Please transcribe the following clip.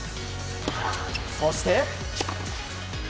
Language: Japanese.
そして。